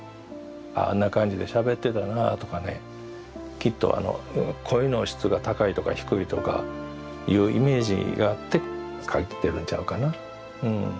あんな感じでしゃべってたなとかねきっと声の質が高いとか低いとかいうイメージがあって描いてるんちゃうかなうん。